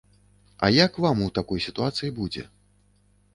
А як вам у такой сітуацыі будзе?